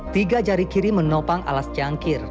tiga jari kiri menopang alas cangkir